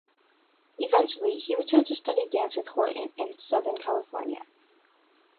Eventually, he returned to study dance with Horton in southern California.